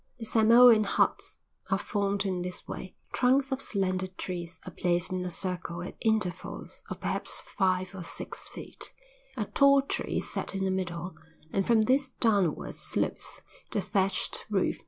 The Samoan huts are formed in this way: Trunks of slender trees are placed in a circle at intervals of perhaps five or six feet; a tall tree is set in the middle and from this downwards slopes the thatched roof.